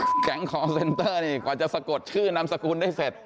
แก๊งคอร์เซ็นเตอร์นี่กว่าจะสะกดชื่อนามสกุลได้เสร็จ